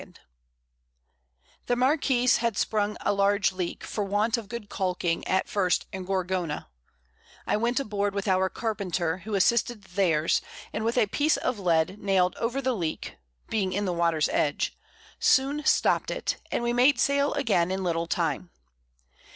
_ The Marquiss had sprung a large Leak, for want of good Caulking at first in Gorgona: I went aboard with our Carpenter, who assisted theirs, and with a Piece of Lead nail'd over the Leak (being in the Water's Edge) soon stopt it, and we made Sail again in a little time.